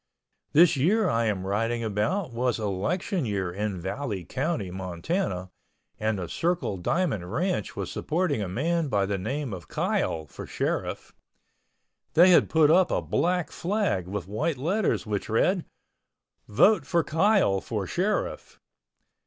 This year I am writing about was election year in Valley County, Montana, and the Circle Diamond ranch was supporting a man by the name of Kyle for sheriff. They had put up a black flag with white letters which read: "VOTE FOR KYLE FOR SHERIFF."